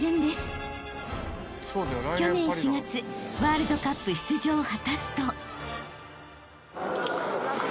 ［去年４月ワールドカップ出場を果たすと］